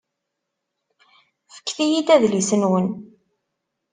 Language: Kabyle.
Fket-iyi-d adlis-nwen.